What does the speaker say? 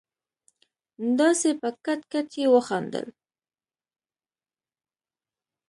داسې په کټ کټ يې وخندل.